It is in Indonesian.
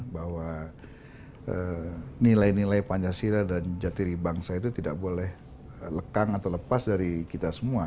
bahwa nilai nilai pancasila dan jatiri bangsa itu tidak boleh lekang atau lepas dari kita semua